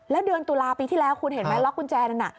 แล้วเดือนตุลาปีที่แล้วคุณเห็นไหมล็อกกุญแจนั้นน่ะ